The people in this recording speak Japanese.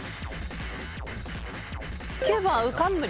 ９番うかんむり。